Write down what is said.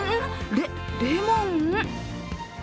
レッ、レモン？